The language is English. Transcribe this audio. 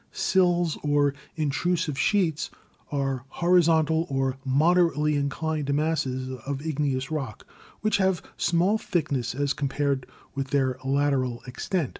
Sills or Intrusive Sheets are horizontal or mod erately inclined masses of igneous rock, which have small thickness as compared with their lateral extent.